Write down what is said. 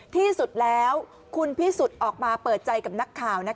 ที่สุดแล้วคุณพิสุทธิ์ออกมาเปิดใจกับนักข่าว